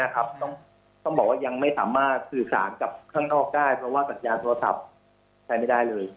ต้องบอกว่ายังไม่สามารถสื่อสารกับข้างนอกได้เพราะว่าสัญญาณโทรศัพท์ใช้ไม่ได้เลย